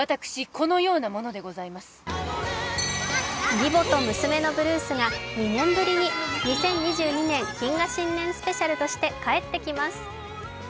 「義母と娘のブルース」が２年ぶりに「２０２２年謹賀新年スペシャル」として帰ってきます。